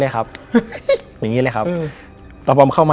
ครับผม